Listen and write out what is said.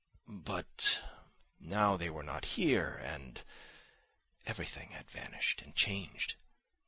But now they were not here and ... everything had vanished and changed!